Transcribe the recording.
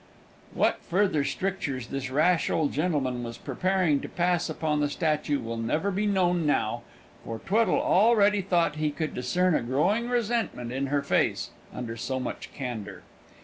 What further strictures this rash old gentleman was preparing to pass upon the statue will never be known now, for Tweddle already thought he could discern a growing resentment in her face, under so much candour.